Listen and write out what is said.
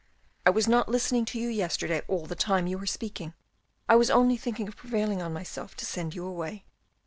" I was not listening to you yesterday all the time you were speaking, I was only thinking of prevailing on myself to send you away."